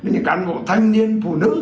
những cán bộ thanh niên phụ nữ